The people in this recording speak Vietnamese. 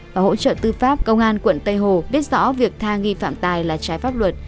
và hỗ trợ tư pháp công an quận tây hồ biết rõ việc tha nghi phạm tài là trái pháp luật